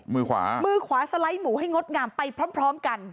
มือขวามือขวาสไลด์หมูให้งดงามไปพร้อมกัน